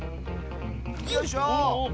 よいしょ！